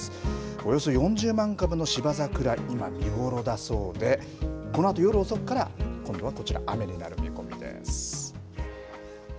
およそ４０万株のシバザクラ、今、見頃だそうで、このあと夜遅くから今度はこちら、雨になる見込みです。